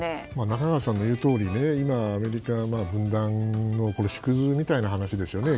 中川さんの言うとおりアメリカは今分断の縮図みたいな話ですね。